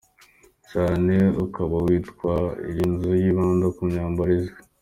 cyane ukaba witwa. Iyi nzu yibanda ku myambaro izwi.